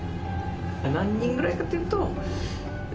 何人ぐらいかというと。